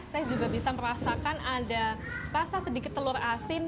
saya juga bisa merasakan ada rasa sedikit telur asin